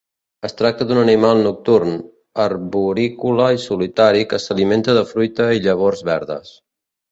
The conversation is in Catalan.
Es tracta d'un animal nocturn, arborícola i solitari que s'alimenta de fruita i llavors verdes.